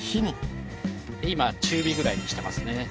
今中火ぐらいにしてますね。